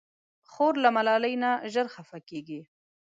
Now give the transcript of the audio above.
خور له ملالۍ نه ژر خفه کېږي.